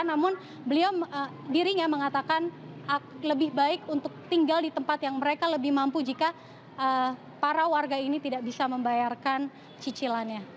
namun beliau dirinya mengatakan lebih baik untuk tinggal di tempat yang mereka lebih mampu jika para warga ini tidak bisa membayarkan cicilannya